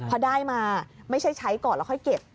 พอได้มาไม่ใช่ใช้ก่อนแล้วค่อยเก็บ